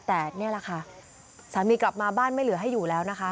แต่นี่แหละค่ะสามีกลับมาบ้านไม่เหลือให้อยู่แล้วนะคะ